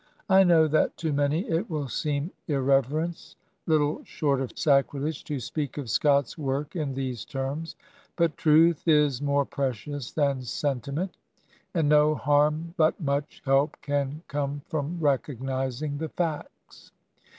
I know that to many it will seem irreverence little short of sacrilege to speak of Scott's work in these terms; but truth is more precious than sentiment, and no harm but much help can come from recognizing the facts.